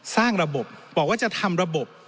สร้างระบบบอกว่าจะทำระบบ